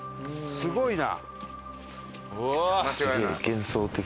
すごいな。